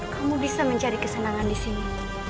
kamu bisa mencari kesenangan di sini